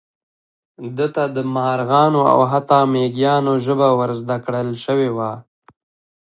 ده ته د مارغانو او حتی د مېږیانو ژبه ور زده کړل شوې وه.